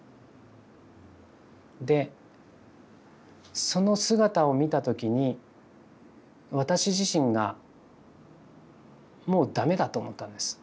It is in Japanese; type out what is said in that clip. でその姿を見た時に私自身が「もう駄目だ」と思ったんです。